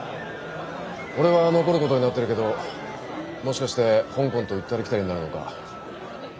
俺は残ることになってるけどもしかして香港と行ったり来たりになるのか。